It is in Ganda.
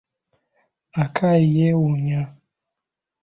Akai yeewuunya!